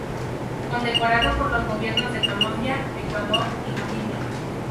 Condecorado por los Gobiernos de Colombia, Ecuador y Bolivia.